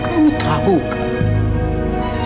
kamu tahu kan